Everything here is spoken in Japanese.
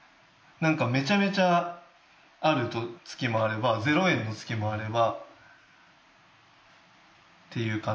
なんかめちゃめちゃある月もあれば０円の月もあればっていう感じ。